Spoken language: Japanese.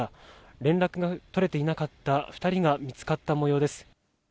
連絡が取れていなかった２人が見つかった模様です。